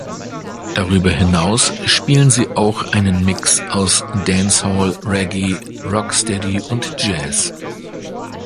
Darüber hinaus spielen sie auch einen Mix aus Dance Hall, Reggae, Rocksteady und Jazz.